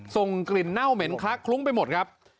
ส่งกลิ่นเน่าเหม็นคลักคลุ้งไปหมดครับ